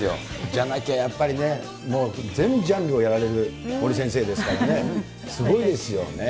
じゃなきゃやっぱりね、もう前ジャンルをやられる森先生ですからね、すごいですよね。